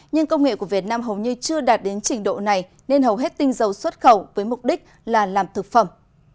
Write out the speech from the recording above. nhưng công nghệ của việt nam hầu như chưa đạt đến trình độ này nên hầu hết tinh dầu xuất khẩu với mục đích là làm thực phẩm